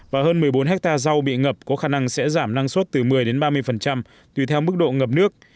và hơn một mươi bốn hectare rau bị ngập có khả năng sẽ giảm năng suất từ một mươi đến ba mươi tùy theo mức độ ngập nước